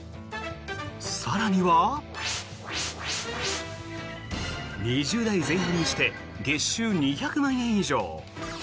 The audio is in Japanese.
更には、２０代前半にして月収２００万円以上。